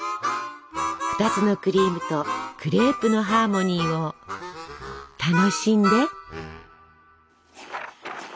２つのクリームとクレープのハーモニーを楽しんで。